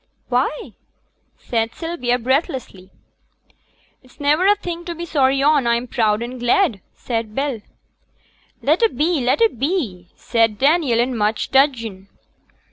'Why?' said Sylvia, breathlessly. 'It's niver a thing to be sorry on. I'm proud and glad,' said Bell. 'Let a be, let a be,' said Daniel, in much dudgeon.